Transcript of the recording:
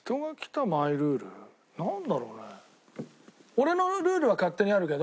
俺のルールは勝手にあるけど。